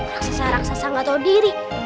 raksasa raksasa gak tahu diri